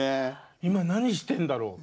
今何してんだろう？